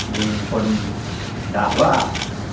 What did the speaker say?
มีคนดาบมาก